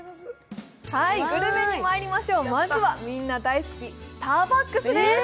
グルメにまいりましょう、まずはみんな大好きスターバックスです。